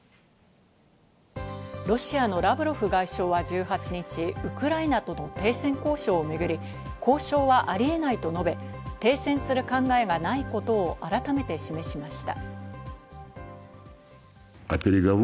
ロシアのラブロフ外相は１８日、ウクライナとの停戦交渉をめぐり、交渉はありえないと述べ、停戦する考えがないことを改めて示しました。